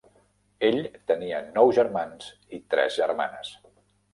Ell tenia nou germans i tres germanes.